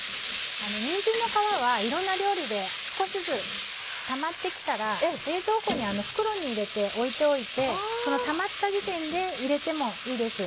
にんじんの皮はいろんな料理で少しずつたまってきたら冷蔵庫に袋に入れて置いておいてたまった時点で入れてもいいです。